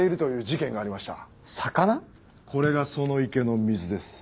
これがその池の水です。